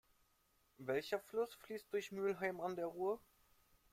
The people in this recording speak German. Welcher Fluss fließt durch Mülheim an der Ruhr?